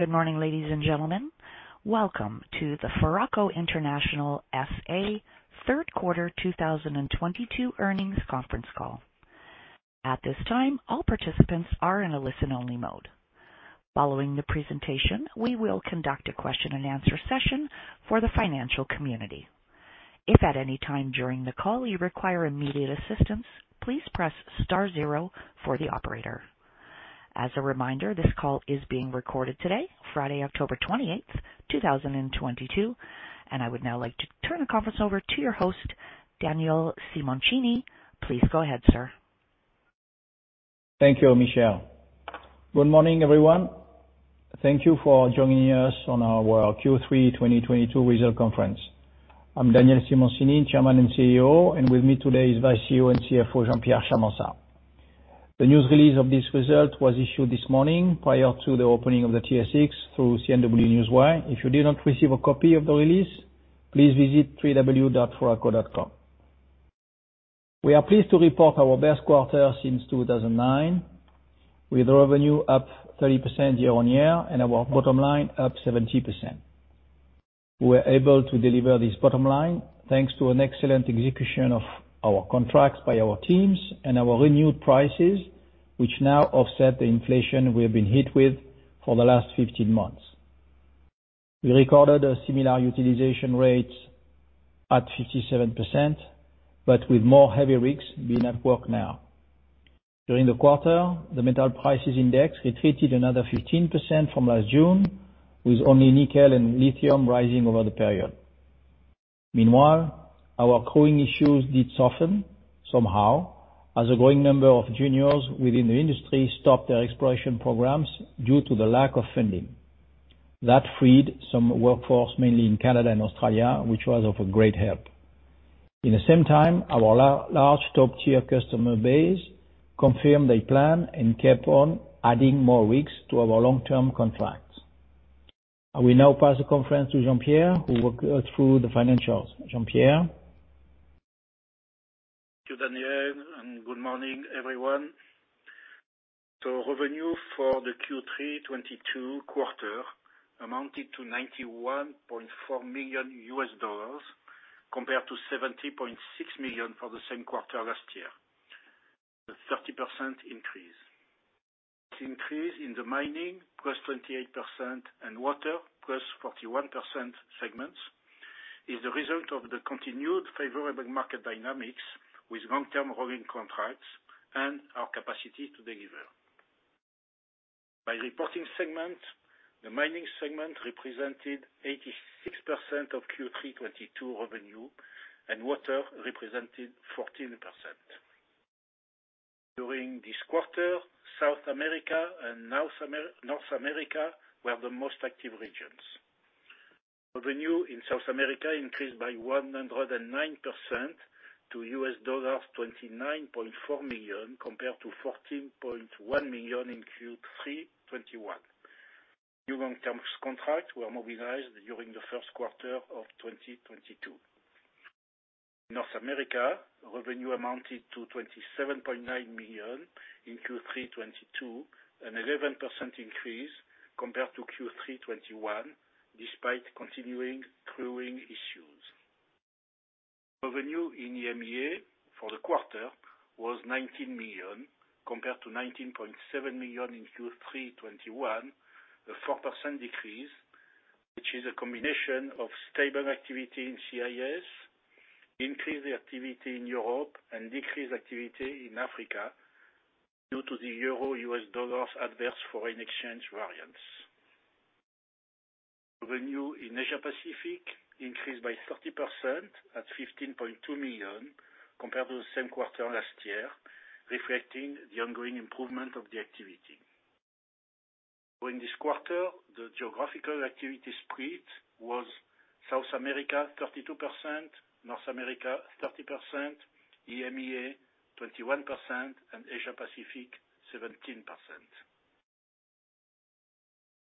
Good morning, ladies and gentlemen. Welcome to the Foraco International SA Third Quarter 2022 Earnings Conference Call. At this time, all participants are in a listen-only mode. Following the presentation, we will conduct a question-and-answer session for the financial community. If at any time during the call you require immediate assistance, please press star zero for the operator. As a reminder, this call is being recorded today, Friday, October 28th, 2022, and I would now like to turn the conference over to your host, Daniel Simoncini. Please go ahead, sir. Thank you, Michelle. Good morning, everyone. Thank you for joining us on our Q3 2022 results conference. I'm Daniel Simoncini, Chairman and CEO, and me today is Co-CEO and CFO, Jean-Pierre Charmensat. The news release of these results was issued this morning prior to the opening of the TSX through CNW Newswire. If you did not receive a copy of the release, please visit www.foraco.com. We are pleased to report our best quarter since 2009, with revenue up 30% year-on-year and our bottom line up 70%. We are able to deliver this bottom line thanks to an excellent execution of our contracts by our teams and our renewed prices, which now offset the inflation we have been hit with for the last 15 months. We recorded a similar utilization rate at 57%, but with more heavy rigs being at work now. During the quarter, the metal prices index retreated another 15% from last June, with only nickel and lithium rising over the period. Meanwhile, our growing issues did soften somehow as a growing number of juniors within the industry stopped their exploration programs due to the lack of funding. That freed some workforce, mainly in Canada and Australia, which was a great help. At the same time, our large top-tier customer base confirmed a plan and kept on adding more rigs to our long-term contracts. I will now pass the call to Jean-Pierre Charmensat, who will walk us through the financials. Jean-Pierre Charmensat. Thank you, Daniel, and good morning, everyone. Revenue for the Q3 2022 quarter amounted to $91.4 million compared to $70.6 million for the same quarter last year, a 30% increase. This increase in the mining +28% and water +41% segments is the result of the continued favorable market dynamics with long-term rolling contracts and our capacity to deliver. By reporting segment, the mining segment represented 86% of Q3 2022 revenue, and water represented 14%. During this quarter, South America and North America were the most active regions. Revenue in South America increased by 109% to $29.4 million compared to $14.1 million in Q3 2021. New long-term contracts were mobilized during the first quarter of 2022. North America revenue amounted to 27.9 million in Q3 2022, a 11% increase compared to Q3 2021, despite continuing crewing issues. Revenue in EMEA for the quarter was 19 million, compared to 19.7 million in Q3 2021, a 4% decrease, which is a combination of stable activity in CIS, increased activity in Europe and decreased activity in Africa due to the euro-U.S. dollar adverse foreign exchange variance. Revenue in Asia-Pacific increased by 30% at 15.2 million compared to the same quarter last year, reflecting the ongoing improvement of the activity. During this quarter, the geographical activity split was South America 32%, North America 30%, EMEA 21%, and Asia-Pacific 17%.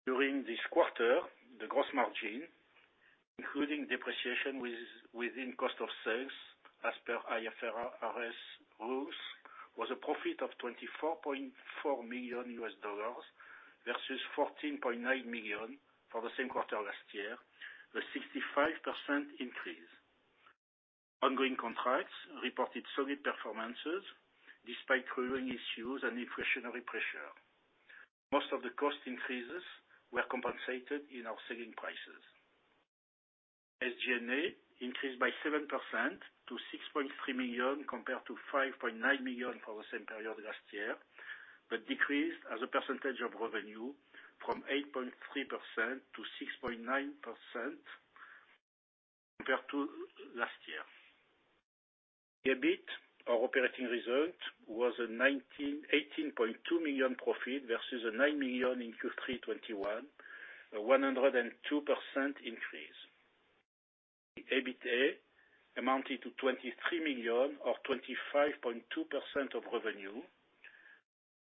During this quarter, the gross margin, including depreciation within cost of sales as per IFRS rules, was a profit of $24.4 million versus $14.9 million for the same quarter last year, a 65% increase. Ongoing contracts reported solid performances despite crewing issues and inflationary pressure. Most of the cost increases were compensated in our selling prices. SG&A increased by 7% to $6.3 million, compared to $5.9 million for the same period last year, but decreased as a percentage of revenue from 8.3% to 6.9% compared to last year. EBIT, our operating result, was a $18.2 million profit versus a $9 million in Q3 2021, a 102% increase. The EBITDA amounted to 23 million or 25.2% of revenue,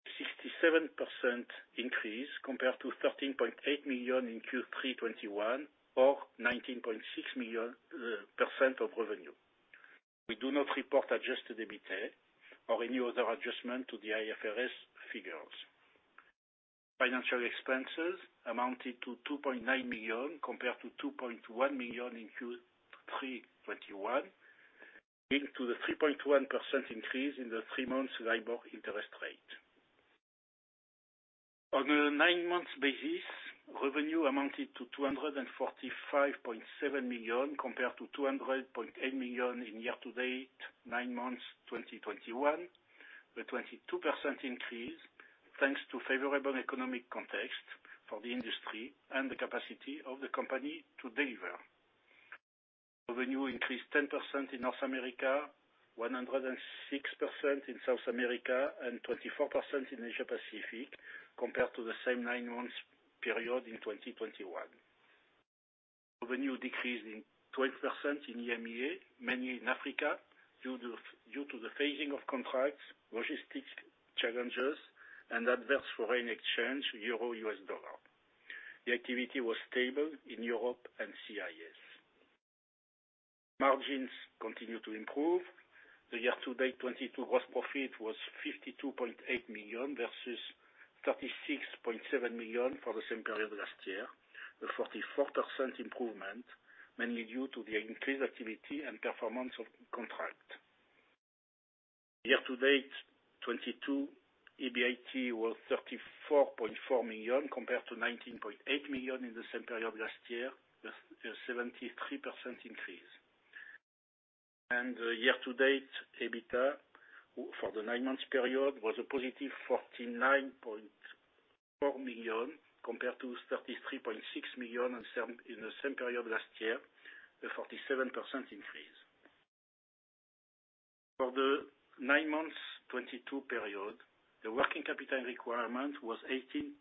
a 67% increase compared to 13.8 million in Q3 2021 or 19.6% of revenue. We do not report adjusted EBITDA or any other adjustment to the IFRS figures. Financial expenses amounted to 2.9 million compared to 2.1 million in Q3 2021, linked to the 3.1% increase in the three-month LIBOR interest rate. On a nine months basis, revenue amounted to 245.7 million compared to 200.8 million in year-to-date nine months 2021, a 22% increase, thanks to favorable economic context for the industry and the capacity of the company to deliver. Revenue increased 10% in North America, 106% in South America, and 24% in Asia-Pacific compared to the same 9-month period in 2021. Revenue decreased 12% in EMEA, mainly in Africa, due to the phasing of contracts, logistics challenges, and adverse foreign exchange euro-US dollar. The activity was stable in Europe and CIS. Margins continue to improve. The year-to-date 2022 gross profit was 52.8 million versus 36.7 million for the same period last year, a 44% improvement, mainly due to the increased activity and performance of contract. Year-to-date 2022, EBIT was 34.4 million compared to 19.8 million in the same period last year, a 73% increase. The year to date EBITDA for the nine months period was a positive 49.4 million compared to 33.6 million in the same period last year, a 47% increase. For the nine months 2022 period, the working capital requirement was 18.5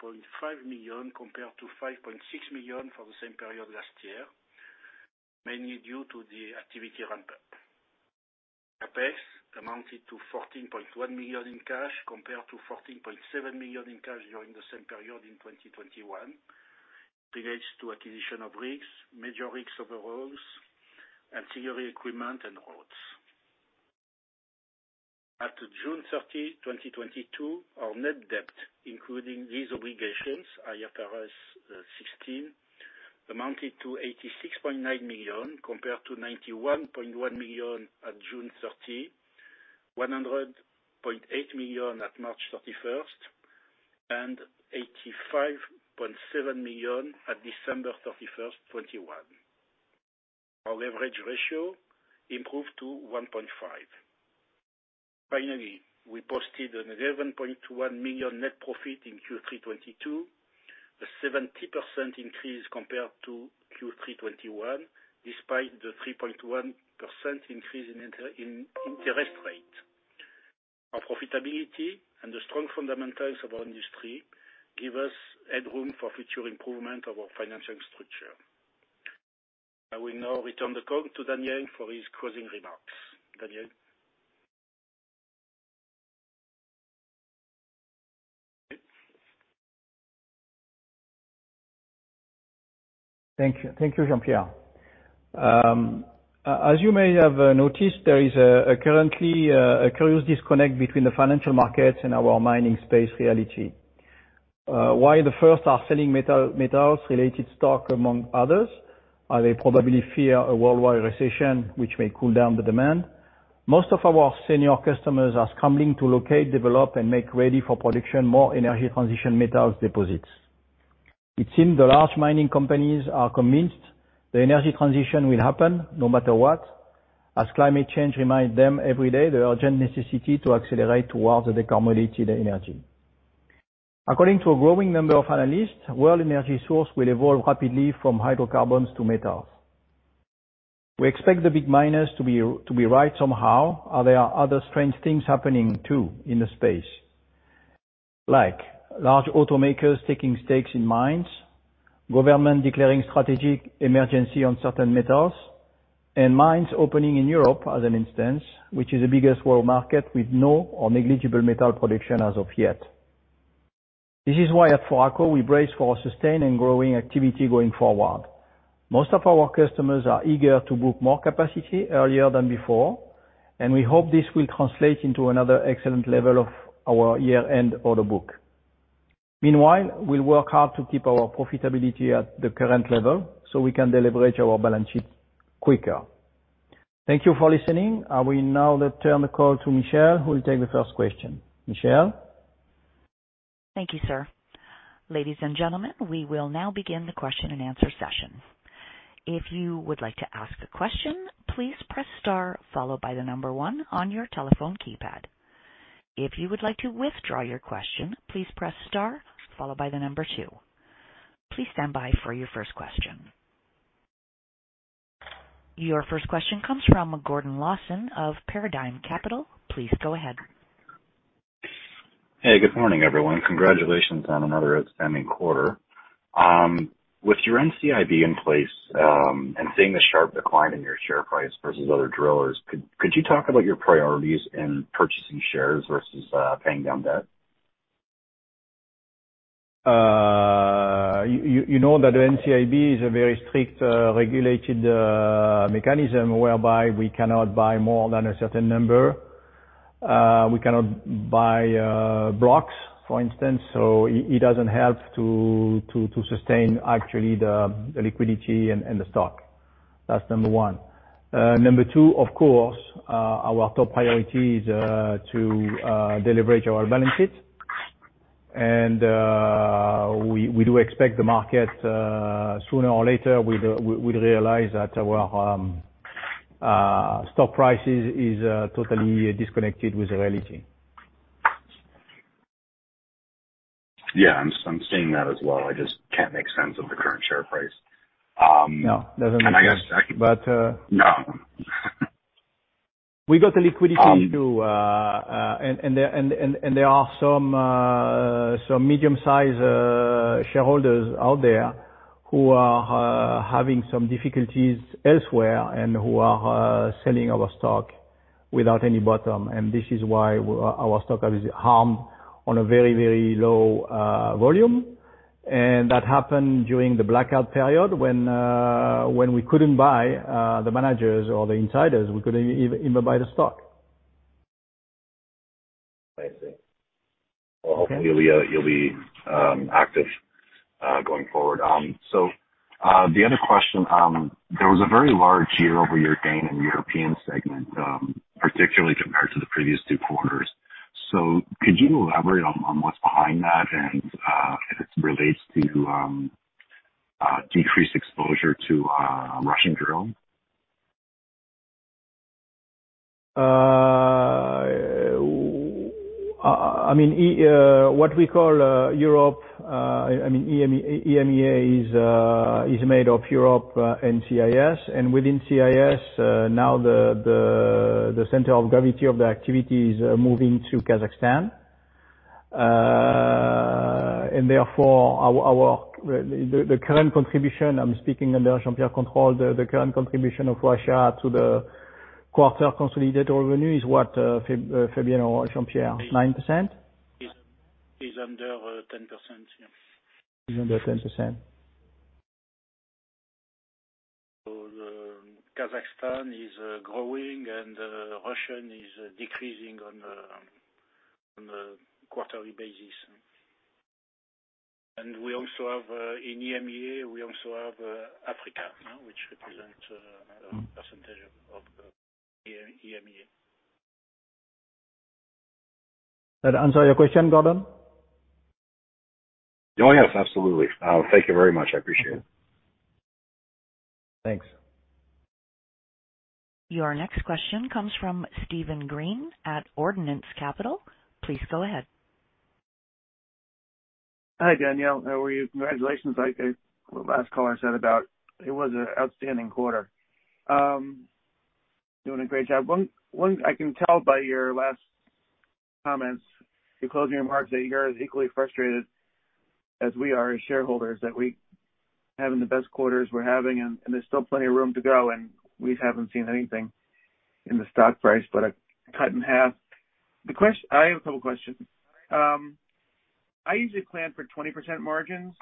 million compared to 5.6 million for the same period last year, mainly due to the activity ramp up. CapEx amounted to 14.1 million in cash compared to 14.7 million in cash during the same period in 2021. It relates to acquisition of rigs, major rig overhauls, ancillary equipment and rods. After June 30, 2022, our net debt, including lease obligations, IFRS 16, amounted to 86.9 million compared to 91.1 million at June 30, 100.8 million at March 31st, and 85.7 million at December 31st, 2021. Our leverage ratio improved to 1.5. Finally, we posted an 11.1 million net profit in Q3 2022, a 70% increase compared to Q3 2021 despite the 3.1% increase in interest rate. Our profitability and the strong fundamentals of our industry give us headroom for future improvement of our financial structure. I will now return the call to Daniel for his closing remarks. Daniel? Thank you. Thank you, Jean-Pierre. As you may have noticed, there is currently a curious disconnect between the financial markets and our mining space reality. While the first are selling metals-related stock among others, they probably fear a worldwide recession which may cool down the demand. Most of our senior customers are scrambling to locate, develop, and make ready for production more energy transition metals deposits. It seems the large mining companies are convinced the energy transition will happen no matter what, as climate change remind them every day the urgent necessity to accelerate towards the decarbonized energy. According to a growing number of analysts, world energy source will evolve rapidly from hydrocarbons to metals. We expect the big miners to be right somehow. There are other strange things happening too in the space, like large automakers taking stakes in mines, government declaring strategic emergency on certain metals, and mines opening in Europe as an instance, which is the biggest world market with no or negligible metal production as of yet. This is why at Foraco we brace for sustained and growing activity going forward. Most of our customers are eager to book more capacity earlier than before, and we hope this will translate into another excellent level of our year-end order book. Meanwhile, we'll work hard to keep our profitability at the current level so we can de-leverage our balance sheet quicker. Thank you for listening. I will now return the call to Michelle, who will take the first question. Michelle? Thank you, sir. Ladies and gentlemen, we will now begin the question and answer session. If you would like to ask a question, please press star followed by the number one on your telephone keypad. If you would like to withdraw your question, please press star followed by the number two. Please stand by for your first question. Your first question comes from Gordon Lawson of Paradigm Capital. Please go ahead. Hey, good morning, everyone. Congratulations on another outstanding quarter. With your NCIB in place, and seeing the sharp decline in your share price versus other drillers, could you talk about your priorities in purchasing shares versus paying down debt? You know that NCIB is a very strict, regulated, mechanism whereby we cannot buy more than a certain number. We cannot buy blocks, for instance, so it doesn't help to sustain actually the liquidity and the stock. That's number one. Number two, of course, our top priority is to deleverage our balance sheet. We do expect the market sooner or later, we'd realize that our stock prices is totally disconnected with the reality. Yeah. I'm seeing that as well. I just can't make sense of the current share price. No. Doesn't make sense. I guess. But, uh- No. There are some medium-sized shareholders out there who are having some difficulties elsewhere and who are selling our stock without any bottom. This is why our stock is harmed on a very, very low volume. That happened during the blackout period when we couldn't buy the managers or the insiders. We couldn't even buy the stock. I see. Okay. Well, hopefully you'll be active going forward. The other question, there was a very large year-over-year gain in the European segment, particularly compared to the previous two quarters. Could you elaborate on what's behind that and if it relates to decreased exposure to Russian drill? I mean, what we call Europe, I mean, EMEA is made of Europe and CIS. Within CIS, now the center of gravity of the activity is moving to Kazakhstan. Therefore, the current contribution of Russia to the quarter consolidated revenue is what, I'm speaking under Jean-Pierre control, Fabien or Jean-Pierre, 9%? Is under 10%, yeah. Is under 10%. Kazakhstan is growing and Russia is decreasing on a quarterly basis. We also have in EMEA Africa, which represent a percentage of EMEA. That answer your question, Gordon? Oh, yes, absolutely. Thank you very much. I appreciate it. Thanks. Your next question comes from Steven Green at Ordinance Capital. Please go ahead. Hi, Daniel. How are you? Congratulations. Like the last caller said, it was an outstanding quarter. Doing a great job. I can tell by your last comments, your closing remarks, that you're as equally frustrated as we are as shareholders, that we having the best quarters we're having, and there's still plenty of room to go. We haven't seen anything in the stock price, but a cut in half. I have a couple questions. I usually plan for 20% margins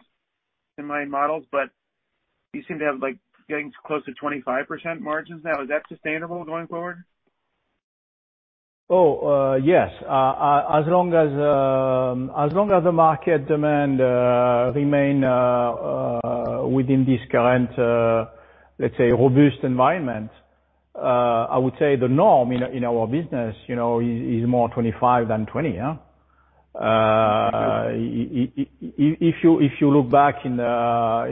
in my models, but you seem to have, like, getting close to 25% margins now. Is that sustainable going forward? Yes. As long as the market demand remain within this current, let's say, robust environment, I would say the norm in our business, you know, is more 25% than 20%, yeah. If you look back in a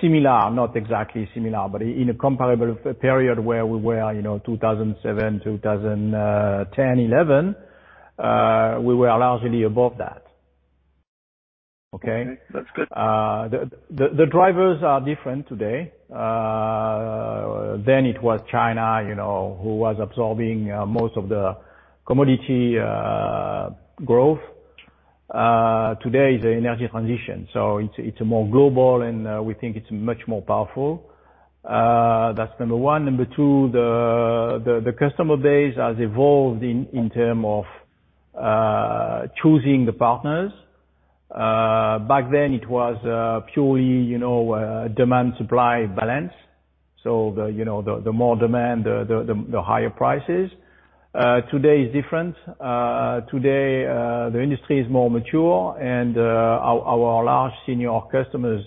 similar, not exactly similar, but in a comparable period where we were, you know, 2007, 2010, 2011, we were largely above that. Okay. That's good. The drivers are different today. It was China, you know, who was absorbing most of the commodity growth. Today is an energy transition, so it's more global and we think it's much more powerful. That's number one. Number two, the customer base has evolved in terms of choosing the partners. Back then it was purely, you know, demand-supply balance. The more demand, the higher prices. Today is different. Today the industry is more mature and our large senior customers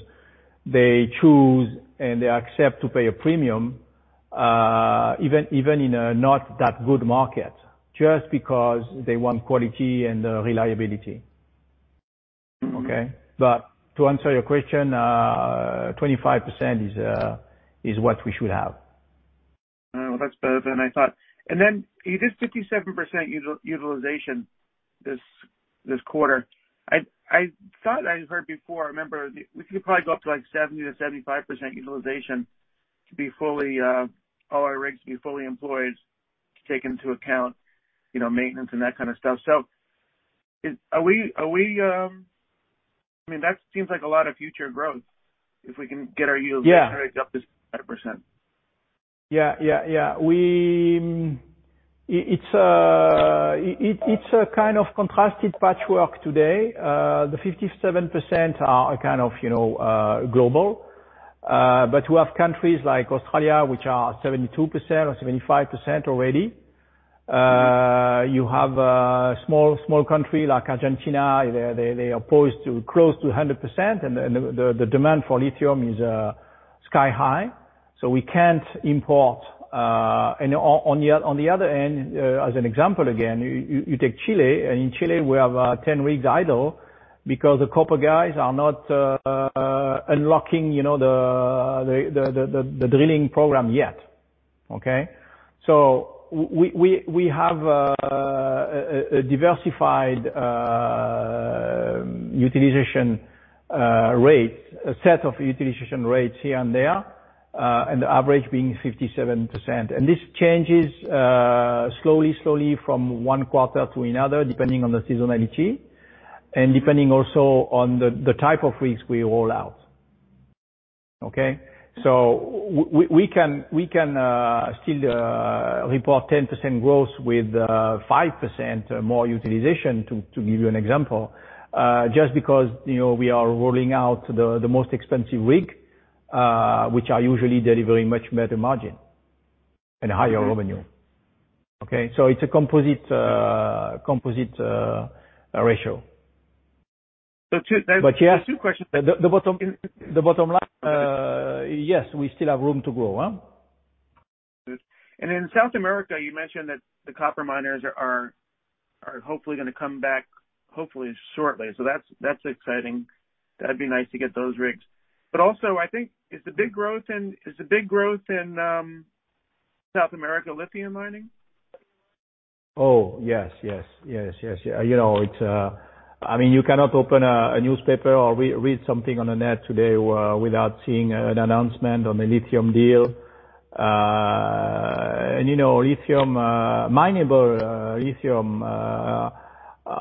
they choose and they accept to pay a premium even in a not that good market, just because they want quality and reliability. Okay? To answer your question, 25% is what we should have. Well, that's better than I thought. You did 57% utilization this quarter. I thought I heard before. I remember we could probably go up to, like, 70%-75% utilization to be fully all our rigs to be fully employed to take into account, you know, maintenance and that kind of stuff. Are we? I mean, that seems like a lot of future growth if we can get our utilization rates up to 75%. It's a kind of contrasted patchwork today. The 57% are a kind of, you know, global. But we have countries like Australia, which are 72% or 75% already. You have a small country like Argentina. They're up to close to 100% and the demand for lithium is sky high. We can't import. On the other end, as an example, again, you take Chile. In Chile, we have 10 rigs idle because the copper guys are not unlocking, you know, the drilling program yet. Okay. We have a diversified utilization rates. A set of utilization rates here and there, and the average being 57%. This changes slowly from one quarter to another, depending on the seasonality and depending also on the type of risk we roll out. Okay? We can still report 10% growth with 5% more utilization, to give you an example, just because, you know, we are rolling out the most expensive rig, which are usually delivering much better margin and higher revenue. Okay? It's a composite ratio. So two- Yes. Two questions. The bottom line, yes, we still have room to grow, huh? In South America, you mentioned that the copper miners are hopefully gonna come back hopefully shortly. So that's exciting. That'd be nice to get those rigs. Also, I think is the big growth in South America lithium mining? Yes. You know, it's I mean, you cannot open a newspaper or read something on the net today without seeing an announcement on the lithium deal. You know, lithium mineable lithium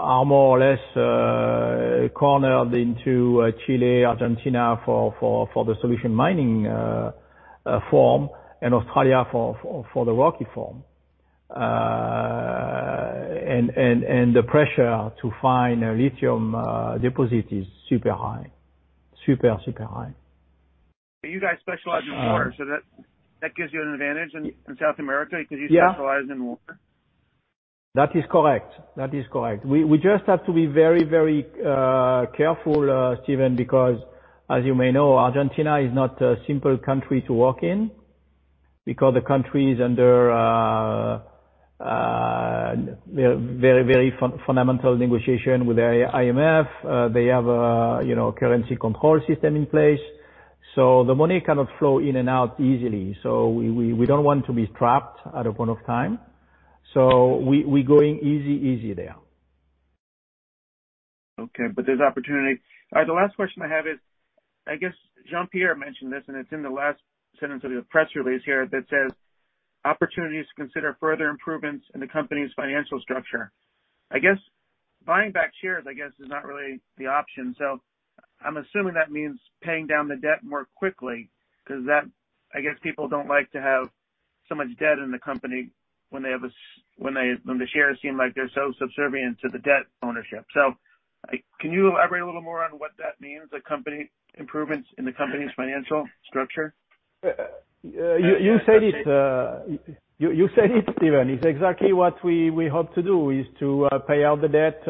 are more or less concentrated in Chile, Argentina for the solution mining form and Australia for the hard rock form. The pressure to find a lithium deposit is super high. Super high. You guys specialize in water, so that gives you an advantage in South America. Yeah. Because you specialize in water. That is correct. We just have to be very careful, Steven, because as you may know, Argentina is not a simple country to work in because the country is under very fundamental negotiation with the IMF. They have a, you know, currency control system in place, so the money cannot flow in and out easily. We don't want to be trapped at a point of time. We going easy there. Okay. There's opportunity. All right, the last question I have is, I guess Jean-Pierre mentioned this, and it's in the last sentence of your press release here that says, "Opportunities to consider further improvements in the company's financial structure." I guess buying back shares, I guess, is not really the option. I'm assuming that means paying down the debt more quickly because that I guess people don't like to have so much debt in the company when the shares seem like they're so subservient to the debt ownership. Can you elaborate a little more on what that means, the company improvements in the company's financial structure? You said it, Steven. It's exactly what we hope to do, is to pay out the debt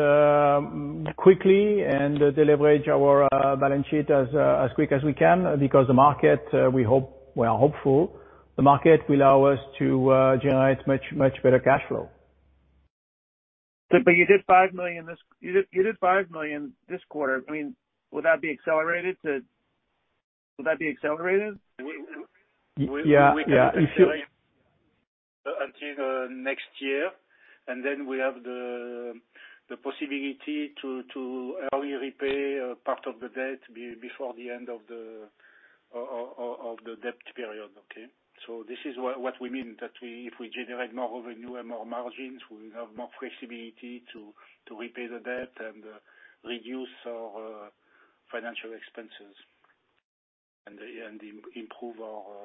quickly and deleverage our balance sheet as quick as we can because the market we hope. We are hopeful the market will allow us to generate much better cash flow. You did 5 million this quarter. I mean, will that be accelerated? Yeah. Yeah. Until next year, and then we have the possibility to early repay part of the debt before the end of the debt period, okay? This is what we mean, that if we generate more revenue and more margins, we have more flexibility to repay the debt and reduce our financial expenses, and improve our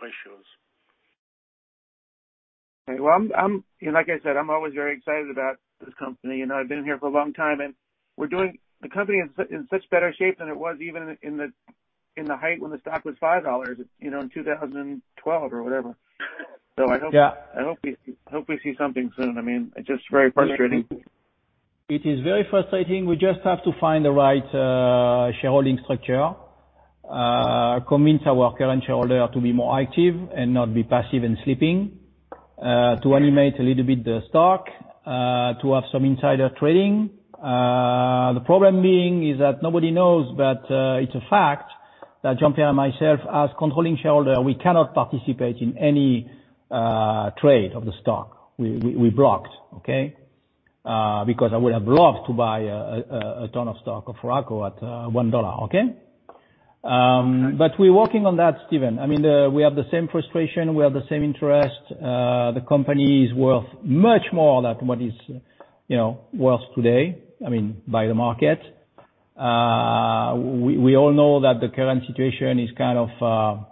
ratios. Well, I'm, you know, like I said, I'm always very excited about this company. You know, I've been here for a long time. The company is in such better shape than it was even at its height when the stock was $5, you know, in 2012 or whatever. Yeah. I hope we see something soon. I mean, it's just very frustrating. It is very frustrating. We just have to find the right shareholding structure, convince our current shareholder to be more active and not be passive and sleeping, to animate a little bit the stock, to have some insider trading. The problem being is that nobody knows, but it's a fact that Jean-Pierre and myself as controlling shareholder, we cannot participate in any trade of the stock. We blocked. Okay. Because I would have loved to buy a ton of stock of Foraco at $1. Okay. But we're working on that, Steven. I mean, we have the same frustration. We have the same interest. The company is worth much more than what is, you know, worth today, I mean, by the market. We all know that the current situation is kind of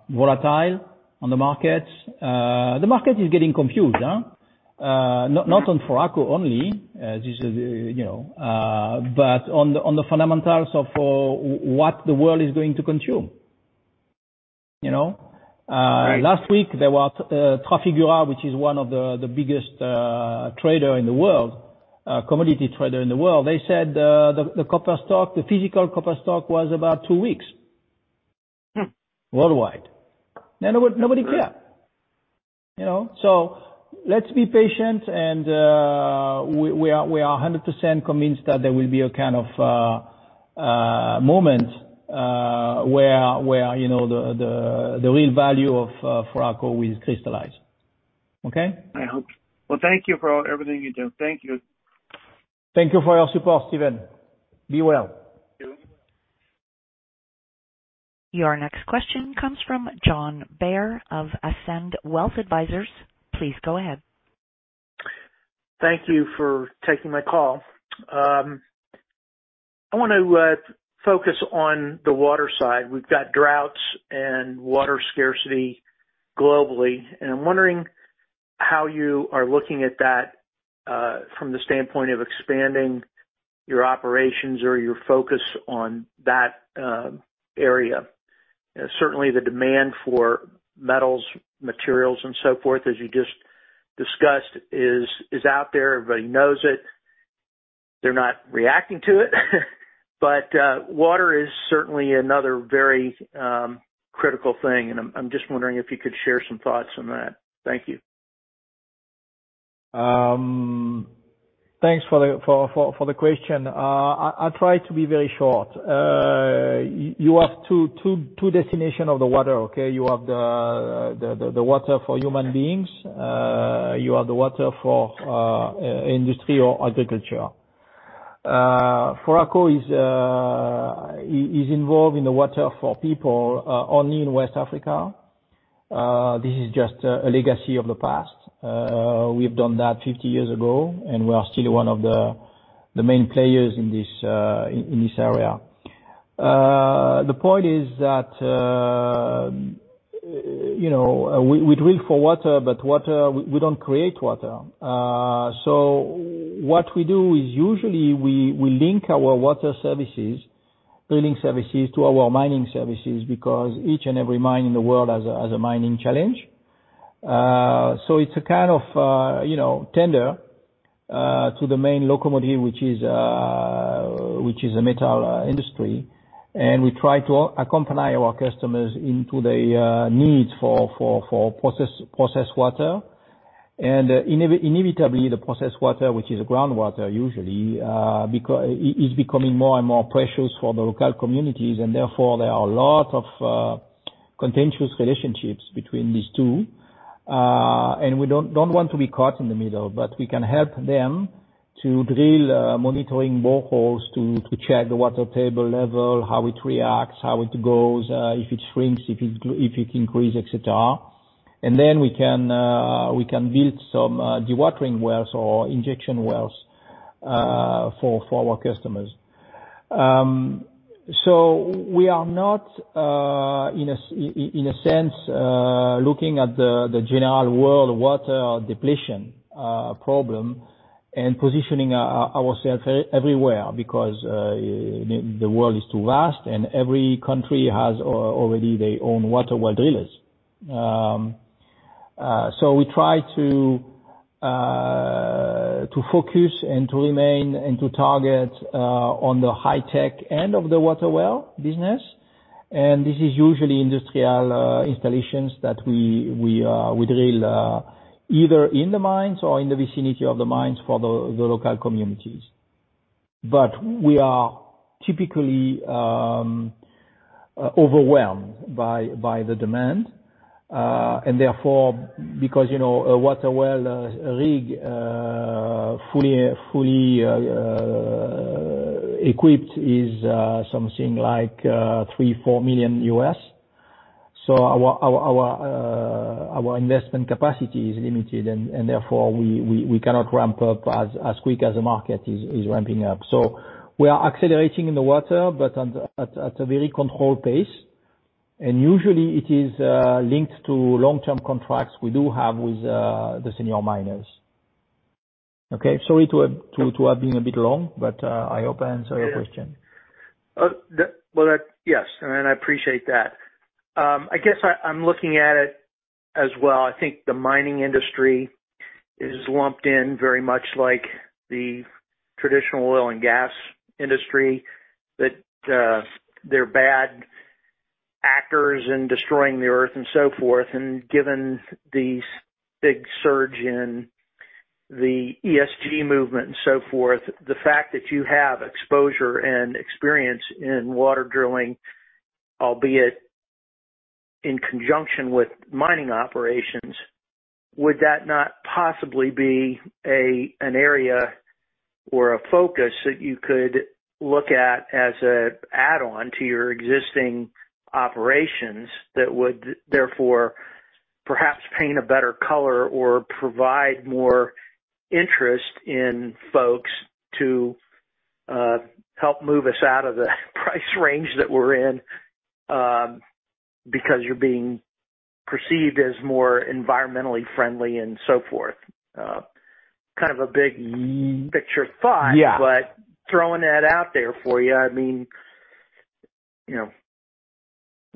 volatile on the market. The market is getting confused. Not on Foraco only, as you said, you know, but on the fundamentals of what the world is going to consume, you know. Right. Last week there was Trafigura, which is one of the biggest trader in the world, commodity trader in the world. They said the copper stock, the physical copper stock was about two weeks- Hmm. Worldwide. Nobody cared, you know. Let's be patient and we are 100% convinced that there will be a kind of moment where you know the real value of Foraco will crystallize. Okay? I hope. Well, thank you for everything you do. Thank you. Thank you for your support, Steven. Be well. You too. Your next question comes from John Bayer of Ascend Wealth Advisors. Please go ahead. Thank you for taking my call. I wanna focus on the water side. We've got droughts and water scarcity globally, and I'm wondering how you are looking at that from the standpoint of expanding your operations or your focus on that area. Certainly the demand for metals, materials, and so forth, as you just discussed is out there. Everybody knows it. They're not reacting to it. Water is certainly another very critical thing, and I'm just wondering if you could share some thoughts on that. Thank you. Thanks for the question. I'll try to be very short. You have two destinations of the water, okay? You have the water for human beings, you have the water for industry or agriculture. Foraco is involved in the water for people only in West Africa. This is just a legacy of the past. We've done that 50 years ago, and we are still one of the main players in this area. The point is that, you know, we drill for water, but water. We don't create water. What we do is usually we link our water services, drilling services to our mining services because each and every mine in the world has a mining challenge. It's a kind of, you know, tender to the main locomotive, which is the metal industry. We try to accompany our customers into the needs for processed water. Inevitably, the processed water, which is groundwater usually, is becoming more and more precious for the local communities, and therefore there are a lot of contentious relationships between these two. We don't want to be caught in the middle, but we can help them to drill monitoring boreholes, to check the water table level, how it reacts, how it goes, if it shrinks, if it increases, et cetera. We can build some dewatering wells or injection wells for our customers. We are not, in a sense, looking at the general world water depletion problem and positioning ourselves everywhere because the world is too vast and every country has already their own water well drillers. We try to focus and to remain and to target on the high tech end of the water well business. This is usually industrial installations that we drill either in the mines or in the vicinity of the mines for the local communities. We are typically overwhelmed by the demand. Therefore, because, you know, a water well rig fully equipped is something like $3 million-$4 million. Our investment capacity is limited and therefore we cannot ramp up as quick as the market is ramping up. We are accelerating in the water, but at a very controlled pace. Usually it is linked to long-term contracts we do have with the senior miners. Okay. Sorry to have been a bit long, but I hope I answered your question. Yeah. Well, that. Yes. I appreciate that. I guess I'm looking at it as well. I think the mining industry is lumped in very much like the traditional oil and gas industry, that they're bad actors in destroying the Earth and so forth. Given this big surge in the ESG movement and so forth, the fact that you have exposure and experience in water drilling, albeit in conjunction with mining operations, would that not possibly be an area or a focus that you could look at as an add-on to your existing operations that would therefore perhaps paint a better color or provide more interest in folks to help move us out of the price range that we're in, because you're being perceived as more environmentally friendly and so forth. Kind of a big picture thought. Yeah. throwing that out there for you. I mean, you know,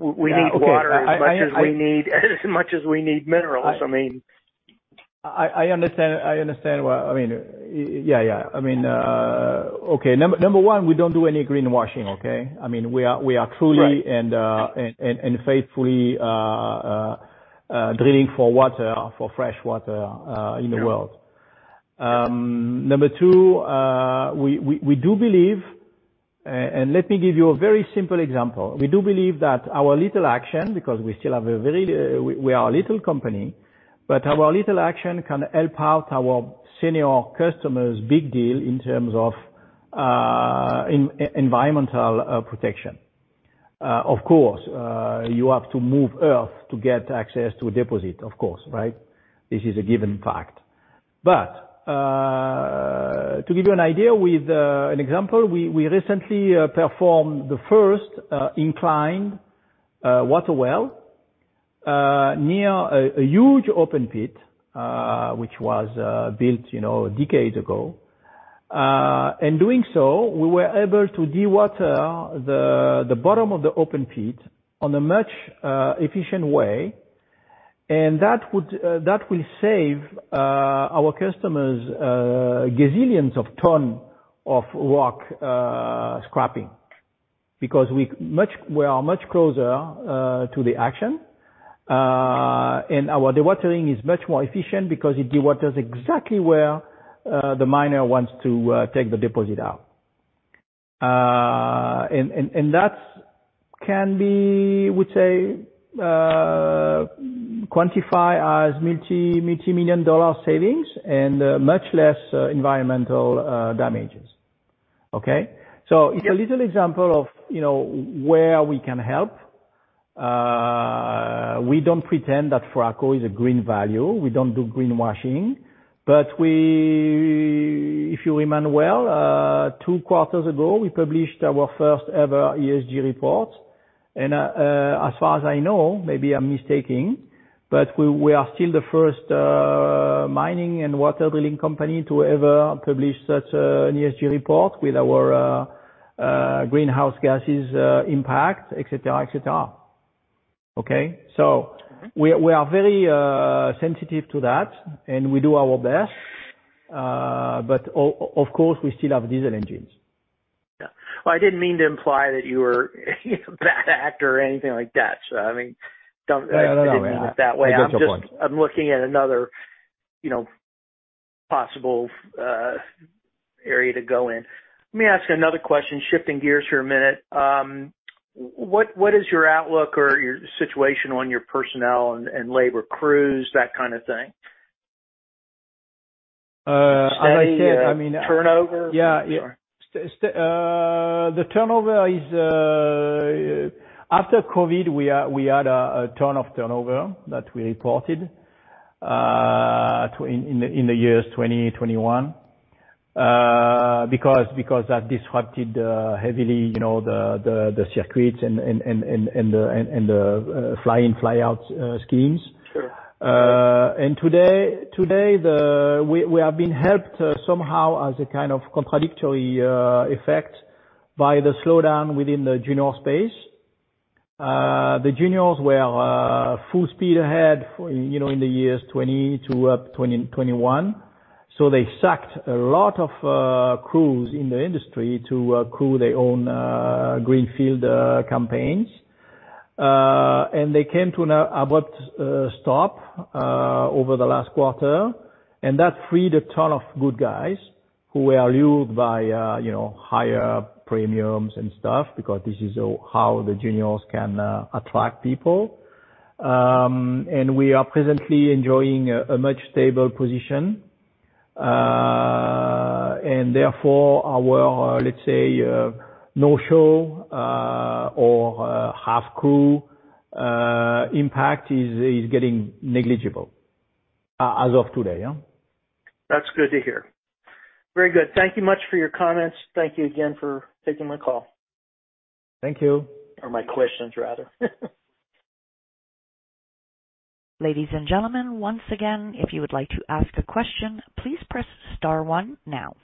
we need water as much as we need minerals. I mean. I understand what I mean. Yeah, yeah. I mean, okay. Number one, we don't do any greenwashing, okay? I mean, we are truly. Right. Faithfully drilling for water, for fresh water, in the world. Yeah. Number two, we do believe. Let me give you a very simple example. We do believe that our little action, because we still have a very, we are a little company, but our little action can help out our senior customers a big deal in terms of, environmental protection. Of course, you have to move earth to get access to a deposit, of course, right? This is a given fact. To give you an idea with an example, we recently performed the first inclined water well near a huge open pit, which was built, you know, decades ago. In doing so, we were able to dewater the bottom of the open pit in a much more efficient way, and that would, that will save our customers gazillions of ton of rock scrapping. Because we are much closer to the action. And our dewatering is much more efficient because it dewaters exactly where the miner wants to take the deposit out. And that can be, we say, quantify as multi-million-dollar savings and much less environmental damages. Okay? Yeah. It's a little example of, you know, where we can help. We don't pretend that Foraco is a green value. We don't do greenwashing. If you remember well, two quarters ago, we published our first ever ESG report. As far as I know, maybe I'm mistaken, but we are still the first mining and water drilling company to ever publish such an ESG report with our greenhouse gases impact, et cetera, et cetera. Okay? Mm-hmm. We are very sensitive to that, and we do our best. Of course, we still have diesel engines. Yeah. Well, I didn't mean to imply that you were a bad actor or anything like that. I mean, don't- No, no. I didn't mean it that way. I get your point. I'm looking at another, you know, possible area to go in. Let me ask you another question, shifting gears for a minute. What is your outlook or your situation on your personnel and labor crews, that kind of thing? As I said, I mean. Steady, turnover? Yeah. Yeah. Sure. The turnover is. After COVID, we had a ton of turnover that we reported in the years 2020, 2021. Because that disrupted heavily, you know, the circuits and the fly-in fly-out schemes. Sure. Today we have been helped somehow as a kind of contradictory effect by the slowdown within the junior space. The juniors were full speed ahead for, you know, in the years 2020-2021. They sucked a lot of crews in the industry to crew their own greenfield campaigns. They came to an abrupt stop over the last quarter, and that freed a ton of good guys who were lured by, you know, higher premiums and stuff because this is how the juniors can attract people. We are presently enjoying a much more stable position. Therefore, our, let's say, no-show or half crew impact is getting negligible as of today, yeah. That's good to hear. Very good. Thank you much for your comments. Thank you again for taking my call. Thank you. My questions, rather. Ladies and gentlemen, once again, if you would like to ask a question, please press star one now.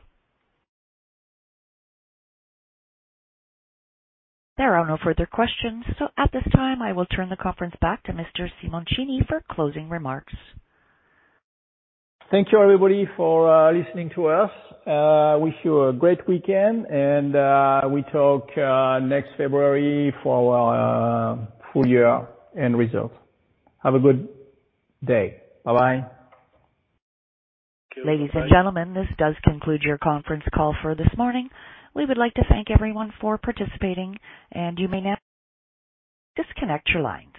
There are no further questions. At this time, I will turn the conference back to Mr. Simoncini for closing remarks. Thank you, everybody, for listening to us. Wish you a great weekend, and we talk next February for our full year end results. Have a good day. Bye-bye. Ladies and gentlemen, this does conclude your conference call for this morning. We would like to thank everyone for participating, and you may now disconnect your lines.